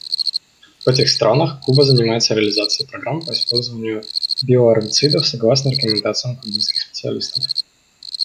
В этих странах Куба занимается реализацией программ по использованию биоларвицидов согласно рекомендациям кубинских специалистов.